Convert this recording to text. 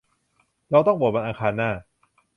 เราต้องโหวตวันอังคารหน้า